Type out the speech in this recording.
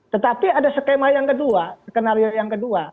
tetapi ada skema yang kedua skenario yang kedua